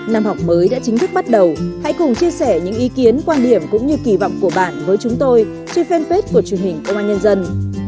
năm học mới đã chính thức bắt đầu hãy cùng chia sẻ những ý kiến quan điểm cũng như kỳ vọng của bạn với chúng tôi trên fanpage của truyền hình công an nhân dân